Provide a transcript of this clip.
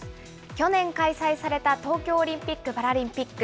去年開催された東京オリンピック・パラリンピック。